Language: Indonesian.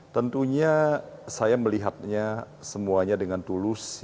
tentunya saya melihatnya semuanya dengan tulus